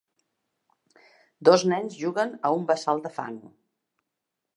Dos nens juguen a un bassal de fang.